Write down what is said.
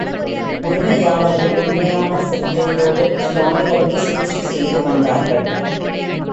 உரிமையாளர்கள் உண்மையான சிரத்தையோடு சுவாமிகளுக்குச் சிகிச்சை செய்து வந்தார்கள்.